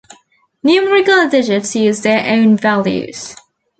Numerical digits use their own values.